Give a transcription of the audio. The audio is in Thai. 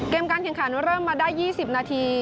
เกมการเถียงขานว่าเริ่มมาได้๒๐นาที